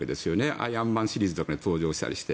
「アイアンマン」シリーズとかに登場したりして。